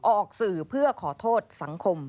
ออกสื่อเพื่อขอโทษสังคม